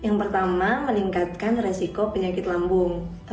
yang pertama meningkatkan resiko penyakit lambung